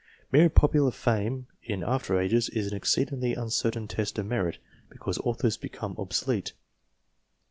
Mere popular fame in after ages is an exceedingly uncertain test of merit, because authors become obsolete.